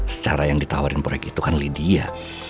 secara yang ditawarin proyek itu kan lydia